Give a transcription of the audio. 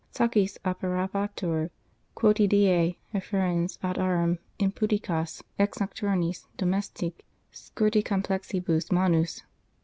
Sacris operabatur quotidie, afferens ad aram im pudicas ex nocturnis domestic! scorti complexibus manus